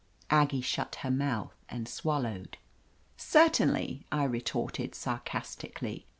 Aggie shut her mouth and swallowed. "Certainly," I retorted sarcastically.